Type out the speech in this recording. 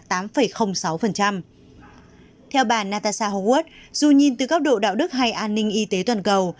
theo bà natasha hogwarts dù nhìn từ góc độ đạo đức hay an ninh y tế toàn cầu